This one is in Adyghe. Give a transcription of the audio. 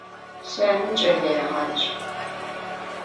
Syane ç'eleêğac.